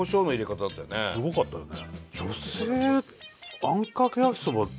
すごかったよね。